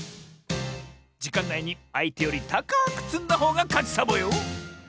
じかんないにあいてよりたかくつんだほうがかちサボよ！